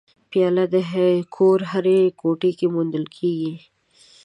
پیاله د کور هرې کوټې کې موندل کېږي.